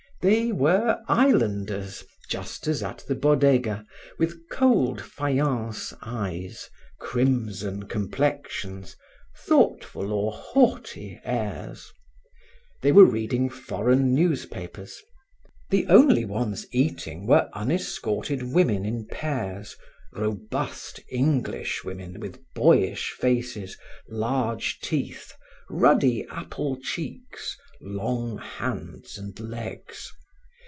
They were islanders, just as at the Bodega, with cold faience eyes, crimson complexions, thoughtful or haughty airs. They were reading foreign newspapers. The only ones eating were unescorted women in pairs, robust English women with boyish faces, large teeth, ruddy apple cheeks, long hands and legs.